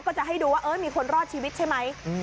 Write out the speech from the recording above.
ก็จะให้ดูว่าเอ้อมีคนรอดชีวิตใช่ไหมอืม